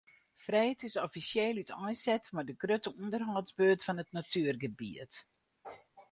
Freed is offisjeel úteinset mei de grutte ûnderhâldsbeurt fan it natuergebiet.